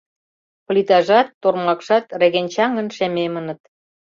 Плитажат, тормакшат регенчаҥын шемемыныт.